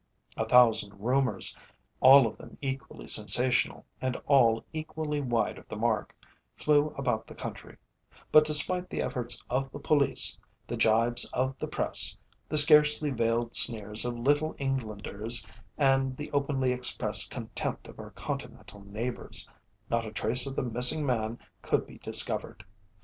A thousand rumours, all of them equally sensational, and all equally wide of the mark, flew about the country; but despite the efforts of the police, the jibes of the Press, the scarcely veiled sneers of Little Englanders and the openly expressed contempt of our Continental neighbours, not a trace of the missing man could be discovered.